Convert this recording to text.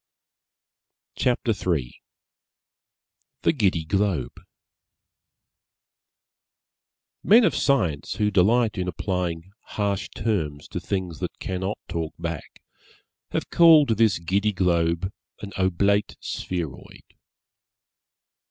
CHAPTER III THE GIDDY GLOBE Men of Science, who delight in applying harsh terms to things that cannot talk back, have called this Giddy Globe an Oblate Spheroid.